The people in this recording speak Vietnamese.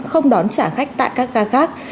không đón trả khách tại các ga khác